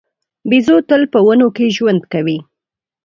بیزو تل په ونو کې ژوند کوي.